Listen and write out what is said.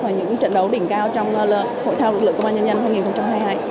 và những trận đấu đỉnh cao trong hội thao lực lượng công an nhân dân hai nghìn hai mươi hai